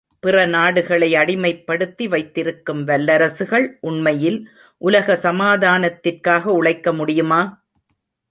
பிறநாடுகளை அடிமைப்படுத்தி வைத்திருக்கும் வல்லரசுகள் உண்மையில் உலக சமாதானத்திற்காக உழைக்க முடியுமா?